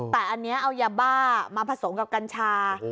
แต่อันนี้เอายาบ้ามาผสมกับกัญชา